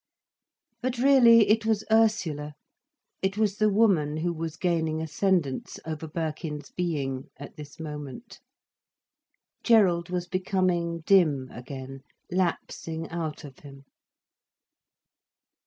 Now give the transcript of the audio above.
But really it was Ursula, it was the woman who was gaining ascendance over Birkin's being, at this moment. Gerald was becoming dim again, lapsing out of him.